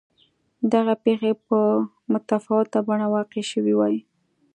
دغه پېښې په متفاوته بڼه واقع شوې وای.